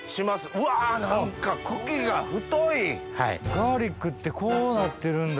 ガーリックってこうなってるんだ。